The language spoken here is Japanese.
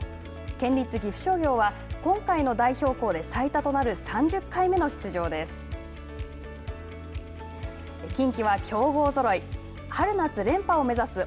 県立岐阜商業は今回の代表校で最多となる３０回目の出場です。